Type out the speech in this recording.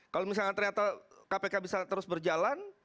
kalau misalnya ternyata kpk bisa terus berjalan